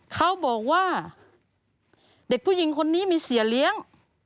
เขาบอกว่าเด็กผู้หญิงคนนี้มีเสียเลี้ยง